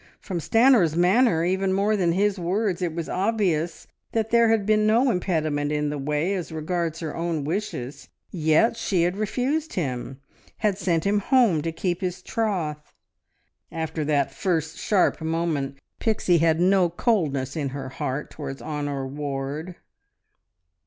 From Stanor's manner, even more than his words, it was obvious that had there been no impediment in the way as regards her own wishes, yet she had refused him, had sent him home to keep his troth. After that first sharp moment Pixie had no coldness in her heart towards Honor Ward.